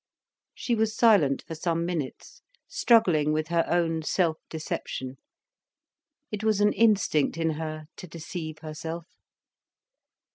She was silent for some minutes, struggling with her own self deception. It was an instinct in her, to deceive herself.